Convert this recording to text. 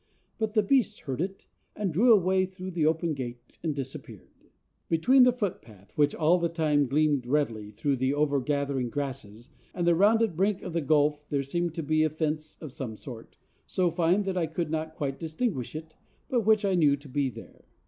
But the beasts heard it, and drew away through the open gate, and disappeared. Between the footpath (which all the time gleamed redly through the over gathering grasses) and the rounded brink of the gulf there seemed to be a fence of some sort, so fine that I could not quite distinguish it, but which I knew to be there.